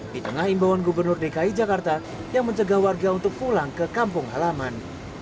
di tengah imbauan gubernur dki jakarta yang mencegah warga untuk pulang ke kampung halaman